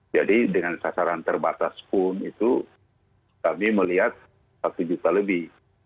jadi dengan sasaran terbatas pun itu kami melihat satu juta lebih